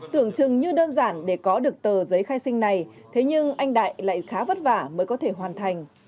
tưởng chừng như đơn giản để có được tờ giấy khai sinh này thế nhưng anh đại lại khá vất vả mới có thể hoàn thành